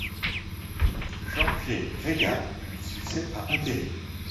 Gheorghe Brega lui succède par intérim.